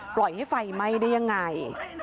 ปล่อยให้ไฟไหม้ได้ยังไง